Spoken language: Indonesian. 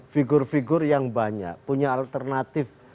figur figur yang banyak punya alternatif